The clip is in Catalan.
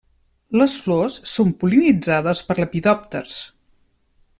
Les flors són pol·linitzades per lepidòpters.